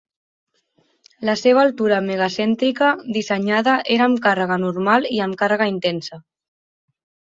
La seva altura mega-cèntrica dissenyada era amb càrrega normal i amb càrrega intensa.